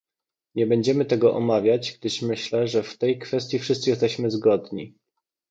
Nie będziemy tego omawiać, gdyż myślę, że w tej kwestii wszyscy jesteśmy zgodni